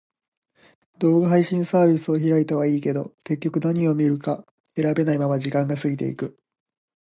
動画配信サービスを開いたはいいけど、結局何を見るか選べないまま時間が過ぎていく。